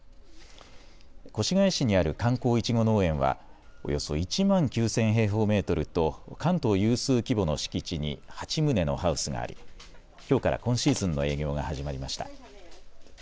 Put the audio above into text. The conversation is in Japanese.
越谷市にある観光いちご農園はおよそ１万９０００平方メートルと関東有数規模の敷地に８棟のハウスがありきょうから今シーズンの営業が始まりました。